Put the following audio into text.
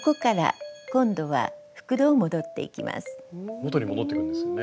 元に戻っていくんですよね。